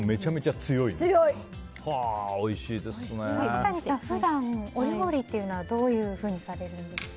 中谷さん、普段お料理はどういうふうにされるんですか？